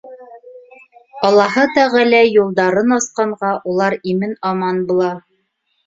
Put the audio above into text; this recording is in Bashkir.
Аллаһы Тәғәлә юлдарын асҡанға, улар имен-аман була.